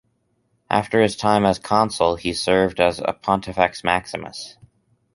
After his time as consul, he served as a Pontifex Maximus.